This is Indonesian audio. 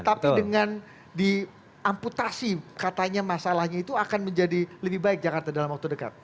tapi dengan diamputasi katanya masalahnya itu akan menjadi lebih baik jakarta dalam waktu dekat